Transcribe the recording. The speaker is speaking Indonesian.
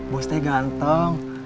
bos teh ganteng